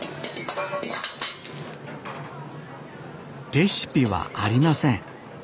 レシピはありません。